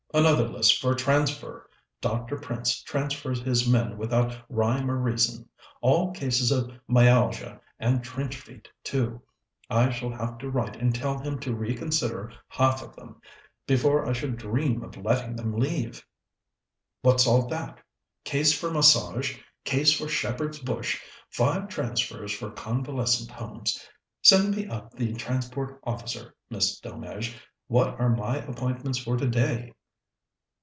Another list for transfer! Dr. Prince transfers his men without rhyme or reason all cases of myalgia and trench feet, too. I shall have to write and tell him to reconsider half of them, before I should dream of letting them leave. "What's all that? case for massage, case for Shepherd's Bush, five transfers for convalescent homes.... Send me up the Transport Officer. Miss Delmege, what are my appointments for today?"